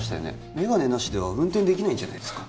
メガネなしでは運転できないんじゃないですか？